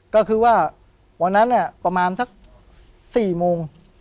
ก็คือว่าวันนั้นเนี่ยประมาณสักสี่โมง